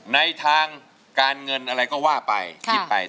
ในทางการเงินอะไรก็ว่าไปคิดไป